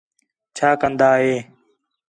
چَھا کندا ہِے